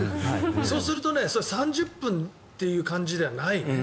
そうすると３０分という感じではないね。